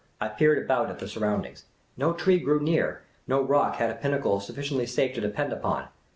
I peered about at the surroundings. No tree grew near ; no rock had a pinnacle sufiiciently safe to depend upon.